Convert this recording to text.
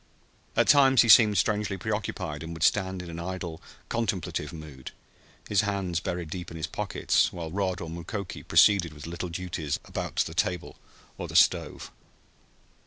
At times he seemed strangely preoccupied and would stand in an idle, contemplative mood, his hands buried deep in his pockets, while Rod or Mukoki proceeded with the little duties about the table or the stove.